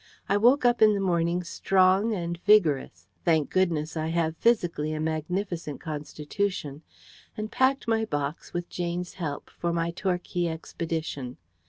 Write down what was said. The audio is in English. I woke up in the morning strong and vigorous thank goodness, I have physically a magnificent constitution and packed my box, with Jane's help, for my Torquay expedition.